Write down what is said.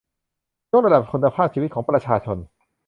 ยกระดับคุณภาพชีวิตของประชาชน